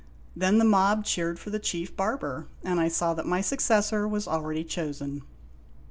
Then the mob cheered for the Chief Barber, and I saw that my successor was already chosen.